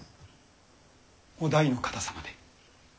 於大の方様で。